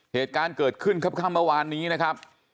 เหตุการณ์เกิดขึ้นค่ำเมื่อวานนี้นะครับ